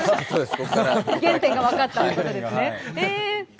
原点が分かったということですね。